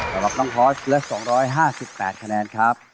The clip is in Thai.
สำหรับน้องฮอทเลือด๒๕๘คะแนนครับ